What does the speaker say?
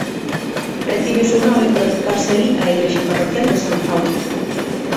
Recibe o seu nome por atoparse alí a igrexa parroquial de San Fausto.